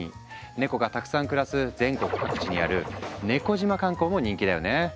ネコがたくさん暮らす全国各地にある「猫島観光」も人気だよね。